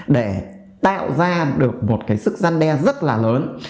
để tạo ra được một cái sức gian đe rất là lớn